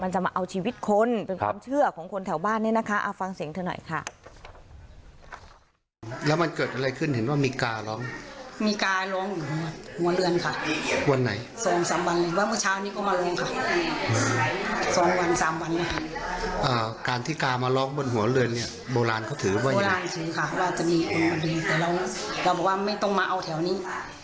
สำหรับการที่กามาร้องบอดหัวเลือนเนี้ยโบราณก็ถือว่าไง